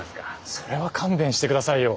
それは勘弁してくださいよ。